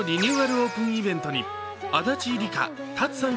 オープンイベントに足立梨花・ＴＡＴＳＵさん